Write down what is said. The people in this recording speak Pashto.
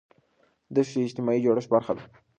دښتې د اجتماعي جوړښت برخه ده.